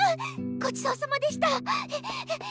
ごちそうさまでした！